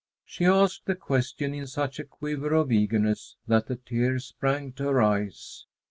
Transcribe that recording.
She asked the question in such a quiver of eagerness that the tears sprang to her eyes.